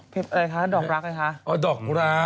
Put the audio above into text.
เป็นยังไงบ้างคริป